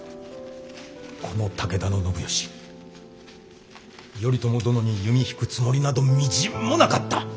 この武田信義頼朝殿に弓引くつもりなどみじんもなかった。